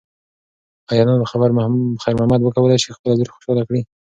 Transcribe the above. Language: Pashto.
ایا نن به خیر محمد وکولی شي چې خپله لور خوشحاله کړي؟